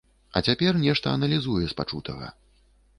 А цяпер нешта аналізуе з пачутага.